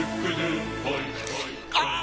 ああ！